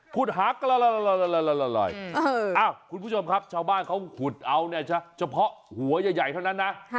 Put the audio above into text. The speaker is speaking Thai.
หากล่อยคุณผู้ชมครับชาวบ้านเขาขุดเอาเนี่ยเฉพาะหัวใหญ่เท่านั้นนะ